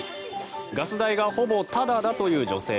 ガス代がほぼタダだという女性。